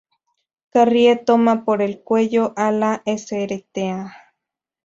Carrie toma por el cuello a la Srta.